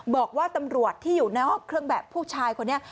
บอกว่าตำรวจที่อยู่ในห้องเครื่องแบบผู้ชายคนนี้